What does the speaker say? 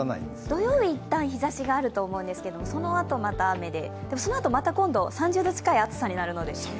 土曜日、いったん日差しがあると思うんですけどそのあと、また雨で、そのあとまた今度３０度近い温度になるので。